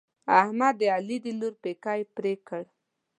احمد د علي د لور پېکی پرې کړ.